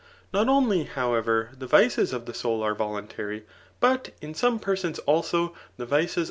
''* un Not only, however, the vices of the soul are wduataryb b<it insome persens^ also, the vioas.